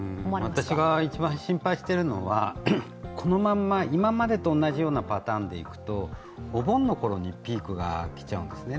私が一番心配しているのは、このまま、今までと同じようなパターンでいくとお盆の頃にピークがきちゃうんでね。